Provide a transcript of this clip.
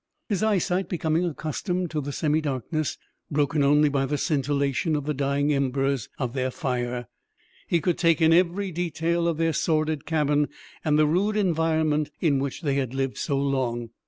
His eyesight becoming accustomed to the semi darkness, broken only by the scintillation of the dying embers of their fire, he could take in every detail of their sordid cabin and the rude environment in which they had lived so long.